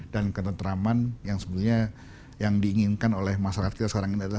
ketentraman yang sebenarnya yang diinginkan oleh masyarakat kita sekarang ini adalah